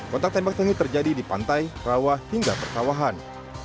kontak tembak seni terjadi di pantai perawah hingga pertawahan